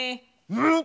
うん！